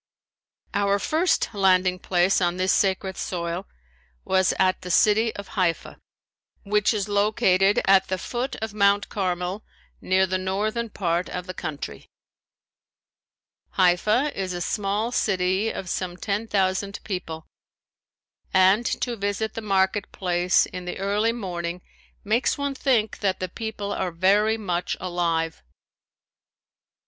Our first landing place on this sacred soil was at the city of Haifa, which is located at the foot of Mount Carmel near the northern part of the country. Haifa is a small city of some ten thousand people and to visit the market place in the early morning makes one think that the people are very much alive.